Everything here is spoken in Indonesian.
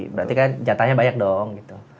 berarti kan jatahnya banyak dong gitu